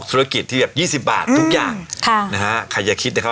เอกรที่แบบยี่สิบบาททุกอย่างค่ะใครจะคิดนะค่ะ